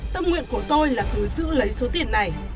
tâm nguyện của tôi là cứ giữ lấy số tiền này